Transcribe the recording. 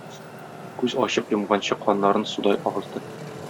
Күз ачып йомганчы каннарын судай агызды.